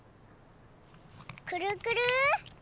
くるくる。